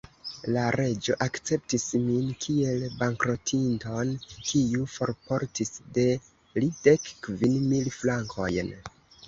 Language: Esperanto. La Reĝo akceptis min kiel bankrotinton, kiu forportis de li dek kvin mil frankojn.